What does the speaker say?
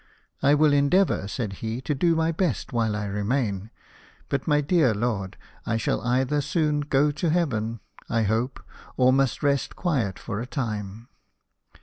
" I will endeavour," said he, " to do my best while I remain ; but, my dear lord, I shall either soon go to heaven, I hope, or must rest quiet for a time.